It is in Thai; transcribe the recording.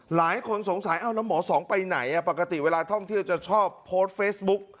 หลายคนสงสัยแล้วหมอสองไปไหนปกติเวลาท่องเที่ยวจะชอบโพสต์เฟซบุ๊ก